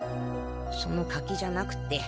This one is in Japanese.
そのカキじゃなくて。